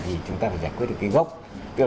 thì chúng ta phải giải quyết được cái gốc